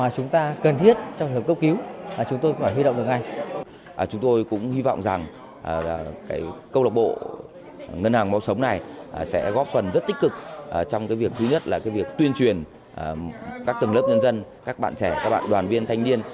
sẽ góp phần rất tích cực trong việc tuyên truyền các tầng lớp nhân dân các bạn trẻ các bạn đoàn viên thanh niên